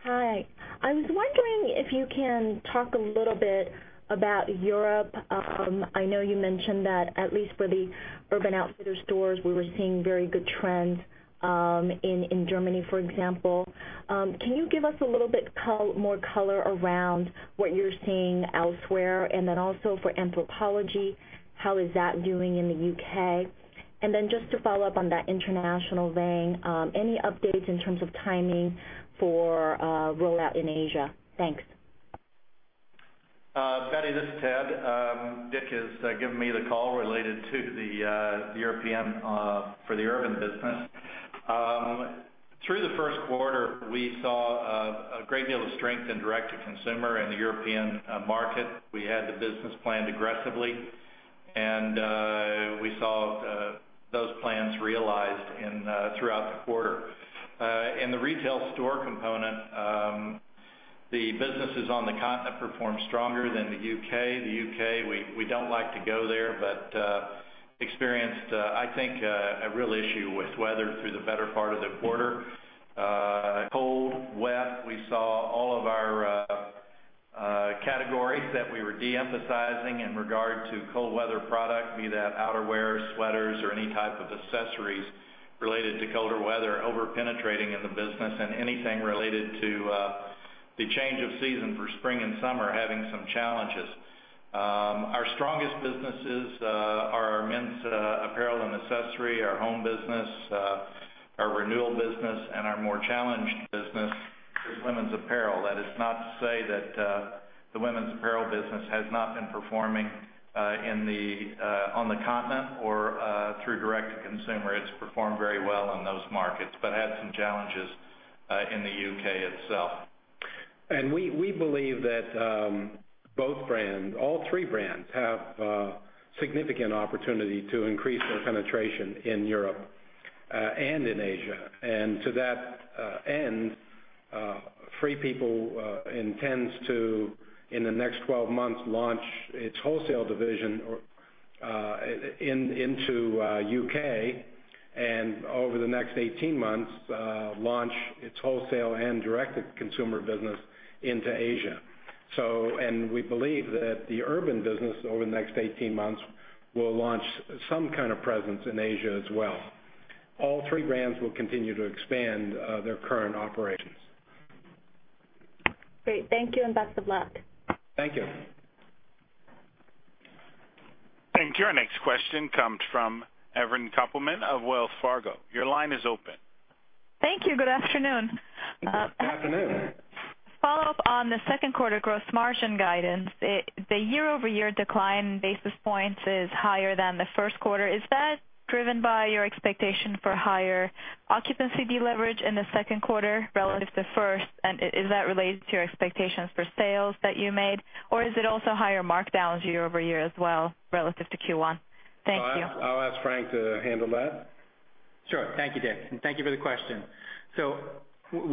Hi. I was wondering if you can talk a little bit about Europe. I know you mentioned that at least for the Urban Outfitters stores, we were seeing very good trends in Germany, for example. Can you give us a little bit more color around what you're seeing elsewhere? Also for Anthropologie, how is that doing in the U.K.? Just to follow up on that international vein, any updates in terms of timing for rollout in Asia? Thanks. Betty, this is Ted. Dick has given me the call related to the European for the urban business. Through the first quarter, we saw a great deal of strength in direct-to-consumer in the European market. We had the business planned aggressively, and we saw those plans realized throughout the quarter. In the retail store component, the businesses on the continent performed stronger than the U.K. The U.K., we don't like to go there, but experienced, I think, a real issue with weather through the better part of the quarter. Cold, wet. We saw all of our categories that we were de-emphasizing in regard to cold weather product, be that outerwear, sweaters, or any type of accessories related to colder weather, over-penetrating in the business and anything related to the change of season for spring and summer having some challenges. Our strongest businesses are our men's apparel and accessory, our home business, our Renewal business, and our more challenged business is women's apparel. That is not to say that the women's apparel business has not been performing on the continent or through direct-to-consumer. It's performed very well in those markets but had some challenges in the U.K. itself. We believe that all three brands have a significant opportunity to increase their penetration in Europe and in Asia. To that end, Free People intends to, in the next 12 months, launch its wholesale division into U.K., and over the next 18 months, launch its wholesale and direct-to-consumer business into Asia. We believe that the Urban business over the next 18 months will launch some kind of presence in Asia as well. All three brands will continue to expand their current operations. Great. Thank you and best of luck. Thank you. Thank you. Our next question comes from Evan Koppelman of Wells Fargo. Your line is open. Thank you. Good afternoon. Good afternoon. Follow-up on the second quarter gross margin guidance. The year-over-year decline basis points is higher than the first quarter. Is that driven by your expectation for higher occupancy deleverage in the second quarter relative to first? Is that related to your expectations for sales that you made, or is it also higher markdowns year-over-year as well relative to Q1? Thank you. I'll ask Frank to handle that. Sure. Thank you, Dick. Thank you for the question.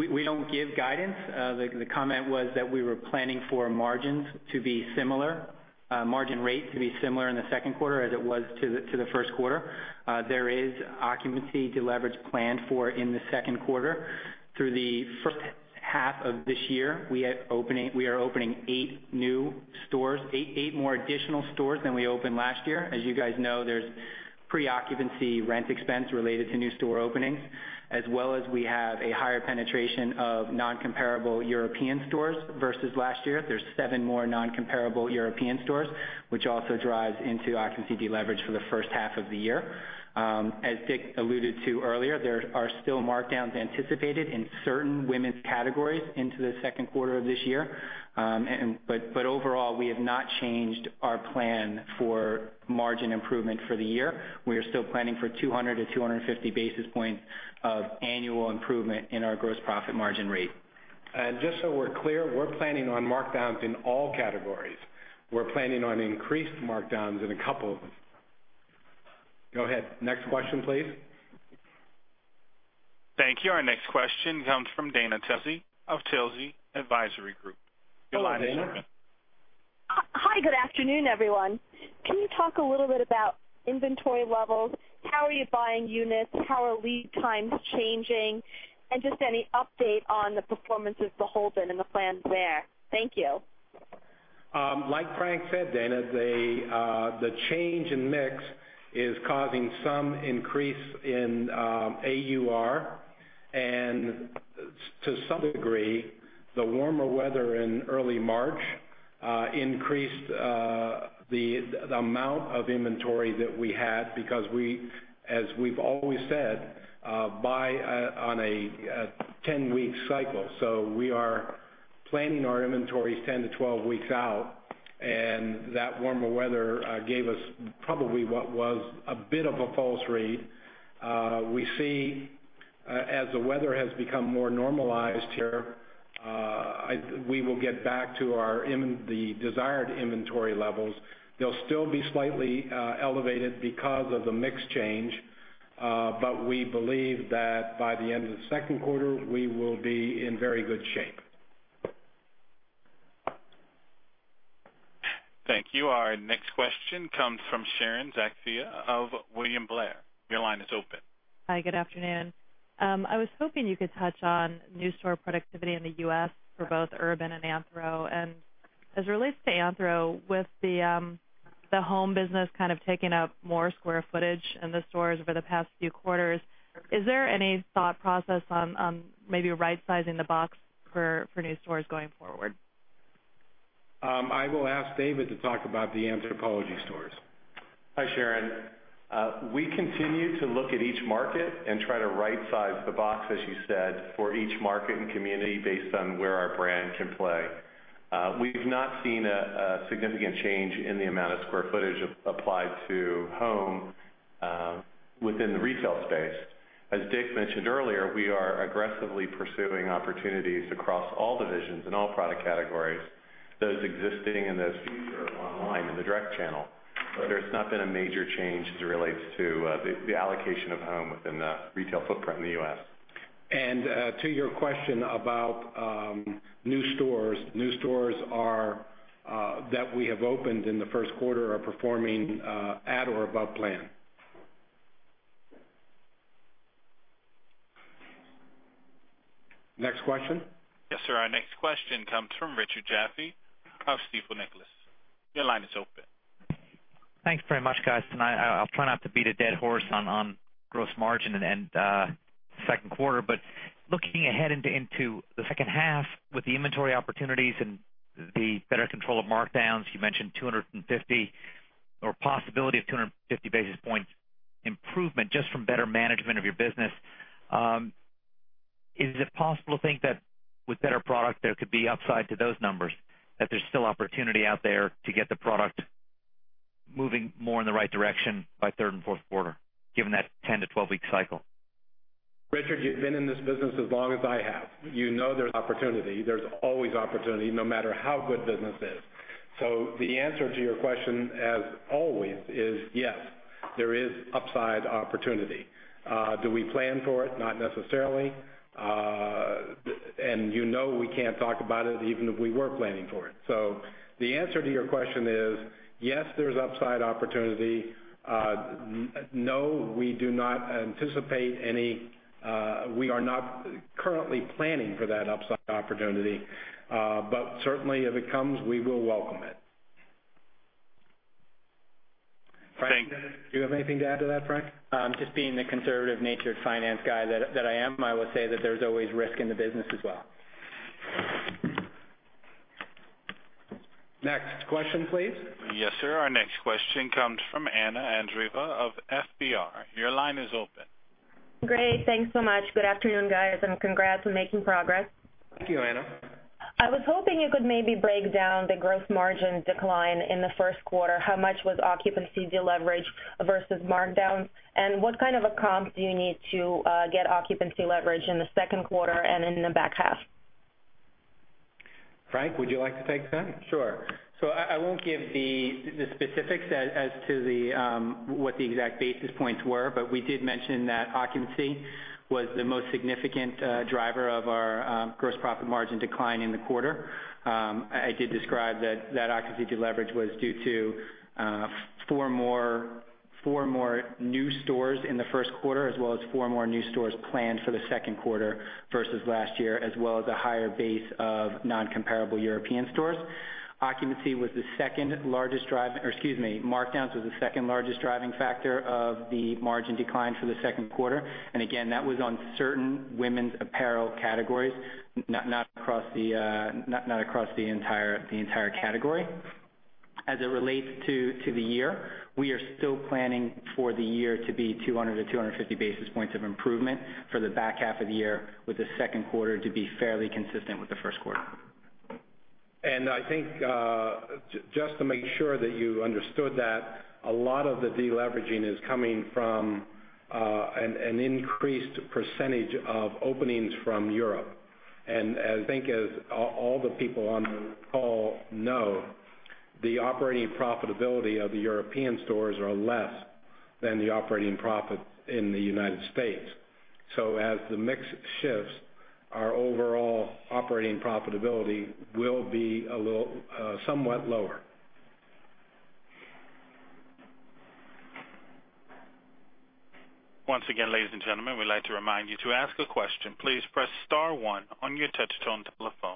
We don't give guidance. The comment was that we were planning for margins to be similar, margin rate to be similar in the second quarter as it was to the first quarter. There is occupancy deleverage planned for in the second quarter. Through the first half of this year, we are opening eight new stores, eight more additional stores than we opened last year. As you guys know, there's pre-occupancy rent expense related to new store openings as well as we have a higher penetration of non-comparable European stores versus last year. There's seven more non-comparable European stores, which also drives into occupancy deleverage for the first half of the year. As Dick alluded to earlier, there are still markdowns anticipated in certain women's categories into the second quarter of this year. Overall, we have not changed our plan for margin improvement for the year. We are still planning for 200 to 250 basis points of annual improvement in our gross profit margin rate. Just so we're clear, we're planning on markdowns in all categories. We're planning on increased markdowns in a couple of them. Go ahead. Next question, please. Thank you. Our next question comes from Dana Telsey of Telsey Advisory Group. Your line is open. Hello, Dana. Hi. Good afternoon, everyone. Can you talk a little bit about inventory levels? How are you buying units? How are lead times changing? Just any update on the performance of the Holden and the plans there. Thank you. Like Frank said, Dana, the change in mix is causing some increase in AUR. To some degree, the warmer weather in early March increased the amount of inventory that we had because as we've always said, buy on a 10-week cycle. We are planning our inventories 10 to 12 weeks out, and that warmer weather gave us probably what was a bit of a false read. We see as the weather has become more normalized here, we will get back to the desired inventory levels. They'll still be slightly elevated because of the mix change. We believe that by the end of the second quarter, we will be in very good shape. Thank you. Our next question comes from Sharon Zackfia of William Blair. Your line is open. Hi, good afternoon. I was hoping you could touch on new store productivity in the U.S. for both Urban and Anthro. As it relates to Anthro, with the home business kind of taking up more square footage in the stores over the past few quarters, is there any thought process on maybe rightsizing the box for new stores going forward? I will ask David to talk about the Anthropologie stores. Hi, Sharon. We continue to look at each market and try to right-size the box, as you said, for each market and community based on where our brand can play. We've not seen a significant change in the amount of square footage applied to home within the retail space. As Dick mentioned earlier, we are aggressively pursuing opportunities across all divisions and all product categories, those existing and those future, online in the direct channel. There's not been a major change as it relates to the allocation of home within the retail footprint in the U.S. To your question about new stores, new stores that we have opened in the first quarter are performing at or above plan. Next question. Yes, sir. Our next question comes from Richard Jaffe of Stifel Nicolaus. Your line is open. Thanks very much, guys. Tonight, I'll try not to beat a dead horse on gross margin and second quarter, but looking ahead into the second half with the inventory opportunities and the better control of markdowns, you mentioned a possibility of 250 basis points improvement just from better management of your business. Is it possible to think that with better product, there could be upside to those numbers? That there's still opportunity out there to get the product moving more in the right direction by third and fourth quarter, given that 10 to 12-week cycle? Richard, you've been in this business as long as I have. You know there's opportunity. There's always opportunity, no matter how good business is. The answer to your question, as always, is yes, there is upside opportunity. Do we plan for it? Not necessarily. You know we can't talk about it even if we were planning for it. The answer to your question is, yes, there's upside opportunity. No, we are not currently planning for that upside opportunity. Certainly if it comes, we will welcome it. Thanks. Frank, do you have anything to add to that, Frank? Just being the conservative-natured finance guy that I am, I will say that there's always risk in the business as well. Next question, please. Yes, sir. Our next question comes from Anna Andreeva of FBR. Your line is open. Great. Thanks so much. Good afternoon, guys, and congrats on making progress. Thank you, Anna. I was hoping you could maybe break down the gross margin decline in the first quarter. How much was occupancy deleveraged versus markdowns, and what kind of a comp do you need to get occupancy leverage in the second quarter and in the back half? Frank, would you like to take that? Sure. I won't give the specifics as to what the exact basis points were, but we did mention that occupancy was the most significant driver of our gross profit margin decline in the quarter. I did describe that that occupancy deleverage was due to four more new stores in the first quarter, as well as four more new stores planned for the second quarter versus last year, as well as a higher base of non-comparable European stores. Markdowns was the second-largest driving factor of the margin decline for the second quarter. Again, that was on certain women's apparel categories, not across the entire category. As it relates to the year, we are still planning for the year to be 200 to 250 basis points of improvement for the back half of the year with the second quarter to be fairly consistent with the first quarter. I think, just to make sure that you understood that, a lot of the deleveraging is coming from an increased percentage of openings from Europe. I think as all the people on the call know, the operating profitability of the European stores are less than the operating profit in the United States. As the mix shifts, our overall operating profitability will be somewhat lower. Once again, ladies and gentlemen, we'd like to remind you to ask a question, please press star one on your touch-tone telephone.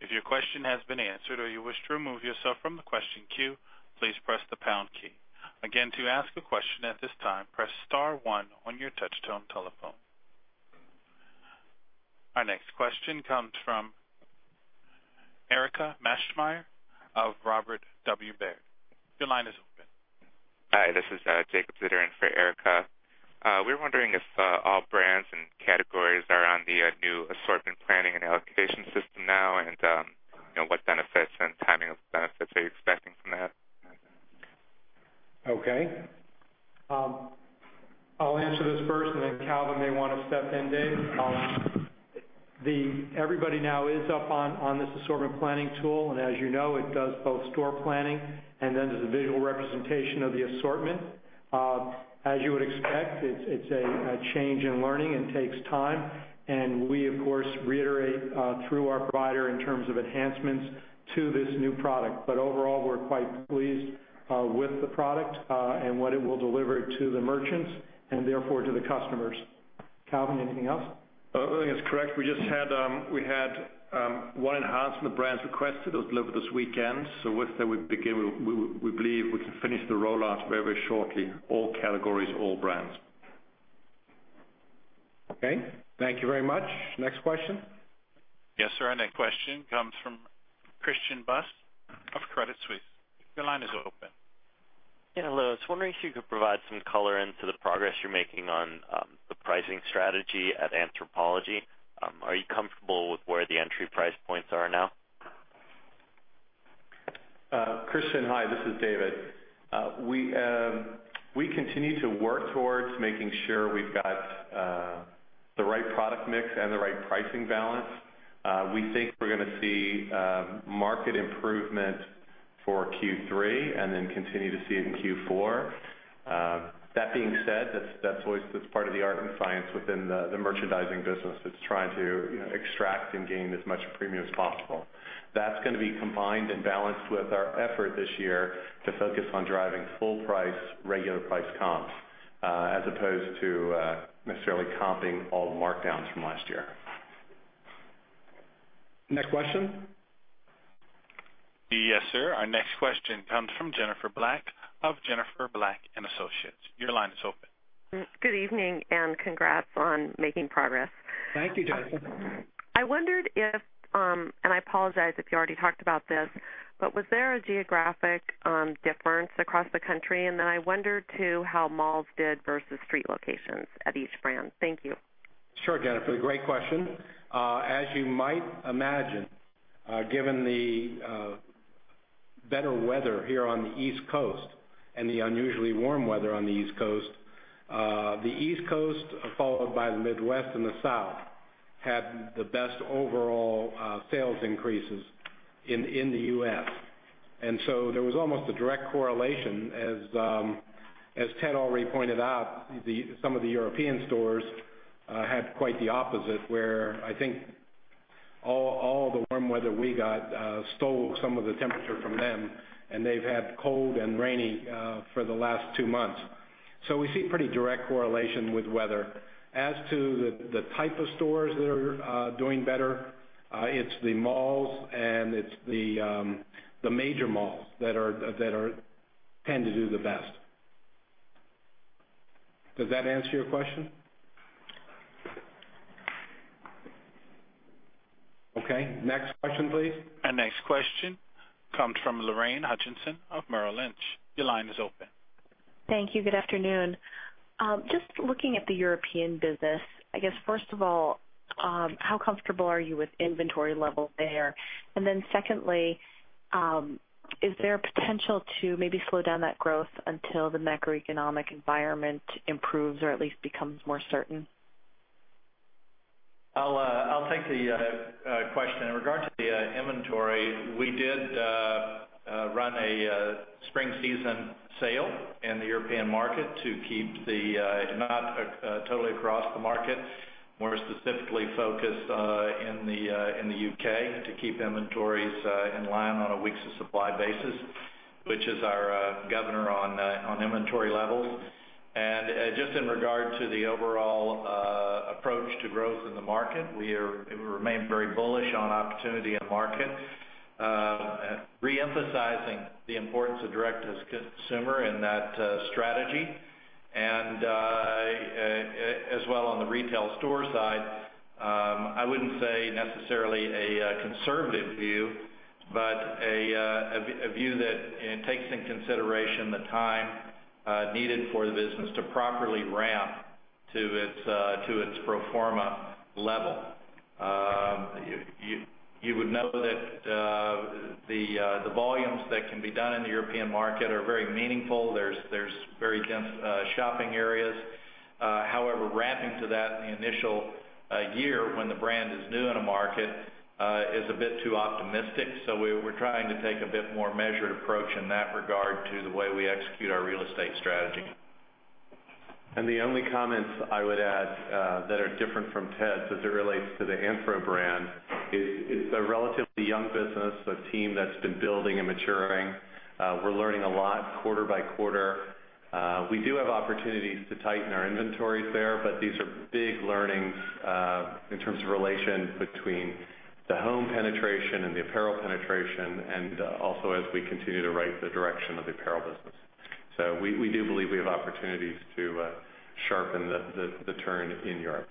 If your question has been answered or you wish to remove yourself from the question queue, please press the pound key. Again, to ask a question at this time, press star one on your touch-tone telephone. Our next question comes from Erika Maschmeyer of Robert W. Baird. Your line is open. Hi, this is Jacob Zitter in for Erika. We were wondering if all brands and categories are on the new assortment planning and allocation system now, and what benefits and timing of benefits are you expecting from that? Okay. I'll answer this first, and then Calvin may want to step in. Dave, I'll ask. As you know, it does both store planning and then does a visual representation of the assortment. As you would expect, it's a change in learning and takes time. We, of course, reiterate through our provider in terms of enhancements to this new product. Overall, we're quite pleased with the product and what it will deliver to the merchants and therefore to the customers. Calvin, anything else? No, I think that's correct. We just had one enhancement the brands requested. It was delivered this weekend. With that, we believe we can finish the rollout very shortly. All categories, all brands. Okay. Thank you very much. Next question. Yes, sir. Our next question comes from Christian Buss of Credit Suisse. Your line is open. Yeah. Hello. I was wondering if you could provide some color into the progress you're making on the pricing strategy at Anthropologie. Are you comfortable with where the entry price points are now? Christian, hi. This is David. We continue to work towards making sure we've got the right product mix and the right pricing balance. We think we're going to see market improvement for Q3 and then continue to see it in Q4. That being said, that's part of the art and science within the merchandising business. It's trying to extract and gain as much premium as possible. That's going to be combined and balanced with our effort this year to focus on driving full-price, regular-price comps as opposed to necessarily comping all the markdowns from last year. Next question. Yes, sir. Our next question comes from Jennifer Black of Jennifer Black and Associates. Your line is open. Good evening, congrats on making progress. Thank you, Jennifer. I wondered if, I apologize if you already talked about this, but was there a geographic difference across the country? I wonder, too, how malls did versus street locations at each brand. Thank you. Sure, Jennifer, great question. As you might imagine, given the better weather here on the East Coast and the unusually warm weather on the East Coast, the East Coast, followed by the Midwest and the South, had the best overall sales increases in the U.S. There was almost a direct correlation, as Ted already pointed out, some of the European stores had quite the opposite. Where I think all the warm weather we got stole some of the temperature from them, and they've had cold and rainy for the last two months. We see pretty direct correlation with weather. As to the type of stores that are doing better, it's the malls and it's the major malls that tend to do the best. Does that answer your question? Okay, next question, please. Our next question comes from Lorraine Hutchinson of Merrill Lynch. Your line is open. Thank you. Good afternoon. Just looking at the European business, I guess, first of all, how comfortable are you with inventory levels there? Then secondly, is there a potential to maybe slow down that growth until the macroeconomic environment improves or at least becomes more certain? I'll take the question. In regard to the inventory, we did run a spring season sale in the European market to keep the not totally across the market. More specifically focused in the U.K. to keep inventories in line on a weeks of supply basis, which is our governor on inventory levels. Just in regard to the overall approach to growth in the market, we remain very bullish on opportunity in the market. Re-emphasizing the importance of direct-to-consumer in that strategy and as well on the retail store side. I wouldn't say necessarily a conservative view, but a view that takes into consideration the time needed for the business to properly ramp to its pro forma level. You would know that the volumes that can be done in the European market are very meaningful. There's very dense shopping areas. However, ramping to that in the initial year when the brand is new in a market is a bit too optimistic. We're trying to take a bit more measured approach in that regard to the way we execute our real estate strategy. The only comments I would add that are different from Ted's as it relates to the Anthro brand is it's a relatively young business, a team that's been building and maturing. We're learning a lot quarter by quarter. We do have opportunities to tighten our inventories there, these are big learnings in terms of relation between the home penetration and the apparel penetration, also as we continue to right the direction of the apparel business. We do believe we have opportunities to sharpen the turn in Europe.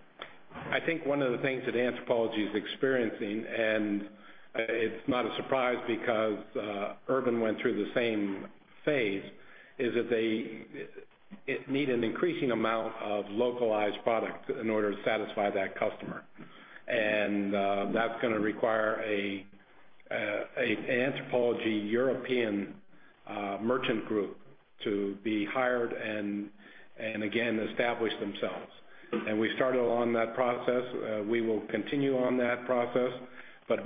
I think one of the things that Anthropologie is experiencing, it's not a surprise because Urban went through the same phase, is that they need an increasing amount of localized product in order to satisfy that customer. That's going to require an Anthropologie European merchant group to be hired again, establish themselves. We started on that process. We will continue on that process.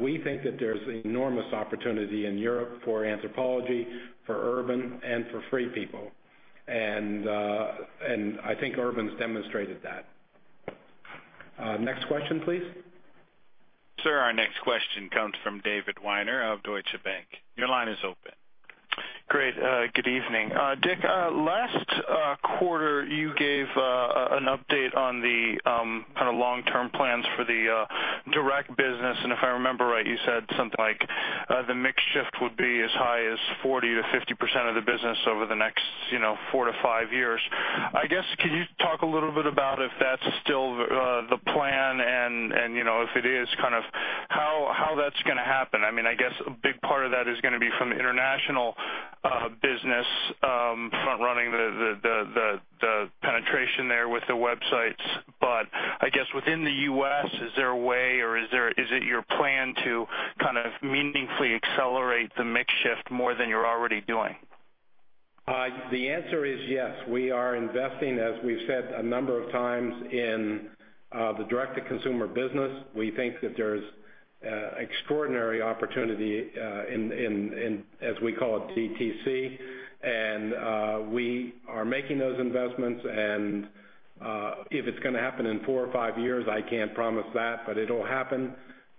We think that there's enormous opportunity in Europe for Anthropologie, for Urban, for Free People. I think Urban's demonstrated that. Next question please. Sir, our next question comes from David Weiner of Deutsche Bank. Your line is open. Great. Good evening. Dick, last quarter, you gave an update on the long-term plans for the direct business, if I remember right, you said something like the mix shift would be as high as 40%-50% of the business over the next four to five years. I guess, can you talk a little bit about if that's still the plan, if it is, how that's going to happen? I guess a big part of that is going to be from the international business front-running the penetration there with the websites. I guess within the U.S., is there a way or is it your plan to meaningfully accelerate the mix shift more than you're already doing? The answer is yes. We are investing, as we've said a number of times, in the direct-to-consumer business. We think that there's extraordinary opportunity in, as we call it, DTC. We are making those investments and if it's going to happen in four or five years, I can't promise that, but it'll happen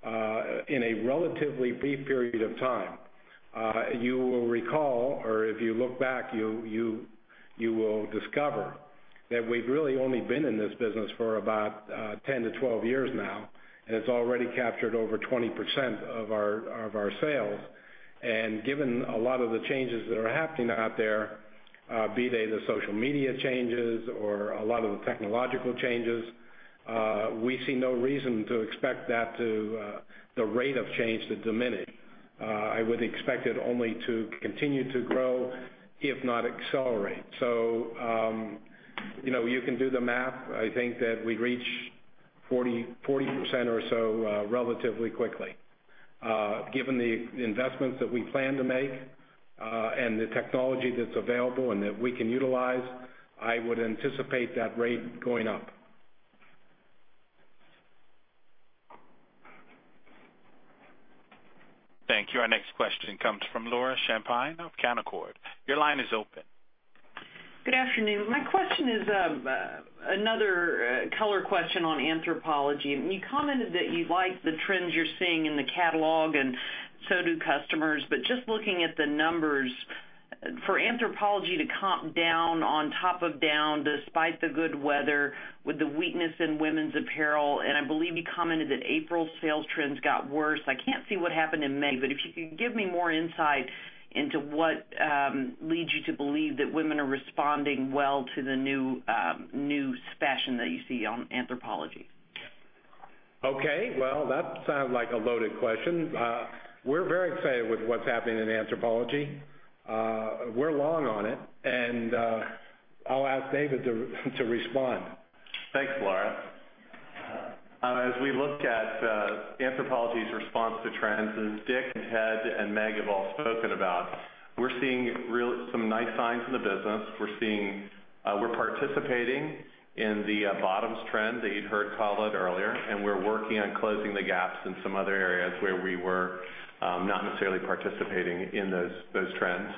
in a relatively brief period of time. You will recall, or if you look back, you will discover that we've really only been in this business for about 10-12 years now. It's already captured over 20% of our sales. Given a lot of the changes that are happening out there, be they the social media changes or a lot of the technological changes, we see no reason to expect the rate of change to diminish. I would expect it only to continue to grow, if not accelerate. You can do the math. I think that we'd reach 40% or so relatively quickly. Given the investments that we plan to make and the technology that's available and that we can utilize, I would anticipate that rate going up. Thank you. Our next question comes from Laura Champagne of Canaccord. Your line is open. Good afternoon. My question is another color question on Anthropologie. You commented that you like the trends you're seeing in the catalog. So do customers. Just looking at the numbers, for Anthropologie to comp down on top of down despite the good weather with the weakness in women's apparel. I believe you commented that April sales trends got worse. I can't see what happened in May. If you could give me more insight into what leads you to believe that women are responding well to the new fashion that you see on Anthropologie. Okay. That sounded like a loaded question. We're very excited with what's happening in Anthropologie. We're long on it. I'll ask David to respond. Thanks, Laura. As we look at Anthropologie's response to trends, as Dick, Ted, and Meg have all spoken about, we're seeing some nice signs in the business. We're participating in the bottoms trend that you'd heard called out earlier. We're working on closing the gaps in some other areas where we were not necessarily participating in those trends.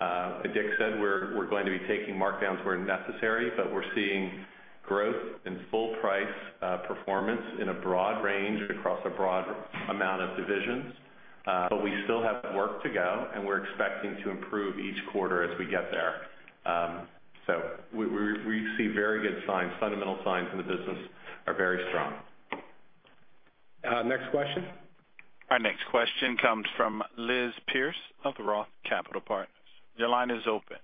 As Dick said, we're going to be taking markdowns where necessary. We're seeing growth in full-price performance in a broad range across a broad amount of divisions. We still have work to go. We're expecting to improve each quarter as we get there. We see very good signs. Fundamental signs in the business are very strong. Next question. Our next question comes from Liz Pierce of Roth Capital Partners. Your line is open.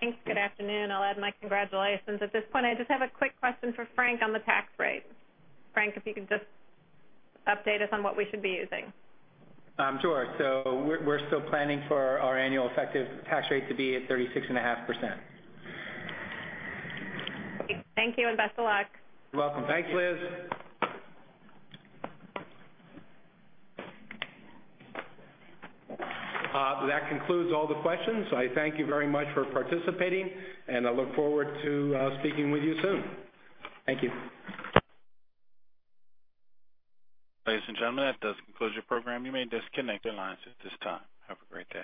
Thanks. Good afternoon. I'll add my congratulations. At this point, I just have a quick question for Frank on the tax rate. Frank, if you could just update us on what we should be using. Sure. We're still planning for our annual effective tax rate to be at 36.5%. Thank you, and best of luck. You're welcome. Thanks, Liz. That concludes all the questions. I thank you very much for participating, and I look forward to speaking with you soon. Thank you. Ladies and gentlemen, that does conclude your program. You may disconnect your lines at this time. Have a great day.